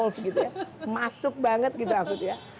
bergabung gitu ya